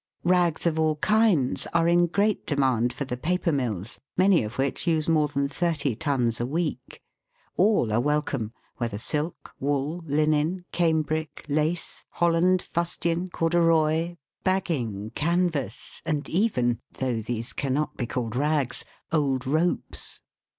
Rags of all kinds are in great demand for the paper mills, many of which use more than thirty tons a week. All are welcome, whether silk, wool, linen, cambric, lace, holland, fustian, corduroy, bagging, canvas, and even though these cannot be called " rags " old ropes.